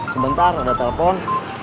sebentar ada telepon